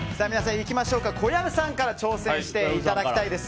小籔さんから挑戦していただきたいです。